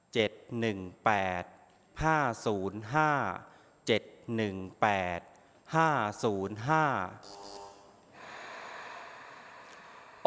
หนึ่งแปดห้าศูนย์ห้าเจ็ดหนึ่งแปดห้าศูนย์ห้า